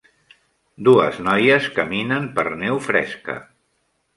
Dues noies caminen per neu fresca.